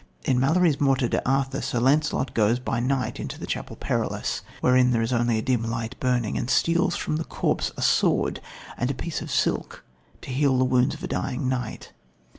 In Malory's Morte d'Arthur, Sir Lancelot goes by night into the Chapel Perilous, wherein there is only a dim light burning, and steals from the corpse a sword and a piece of silk to heal the wounds of a dying knight.